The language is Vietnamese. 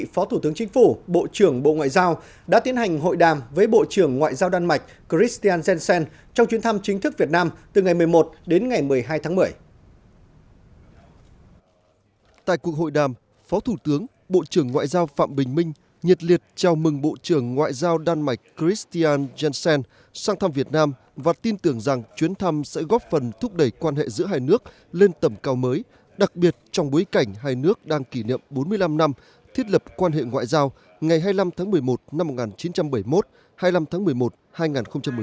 phó thủ tướng bộ trưởng ngoại giao phạm bình minh nhiệt liệt chào mừng bộ trưởng ngoại giao đan mạch christian jensen sang thăm việt nam và tin tưởng rằng chuyến thăm sẽ góp phần thúc đẩy quan hệ giữa hai nước lên tầm cao mới đặc biệt trong bối cảnh hai nước đang kỷ niệm bốn mươi năm năm thiết lập quan hệ ngoại giao ngày hai mươi năm tháng một mươi một năm một nghìn chín trăm bảy mươi một hai mươi năm tháng một mươi một hai nghìn một mươi sáu